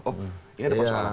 oh ini ada persoalan